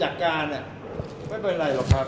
ฮอร์โมนถูกต้องไหม